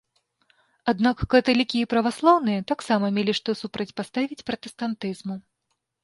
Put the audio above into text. Аднак каталікі і праваслаўныя таксама мелі што супрацьпаставіць пратэстантызму.